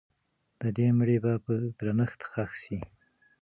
د دې مړي به په درنښت ښخ سي.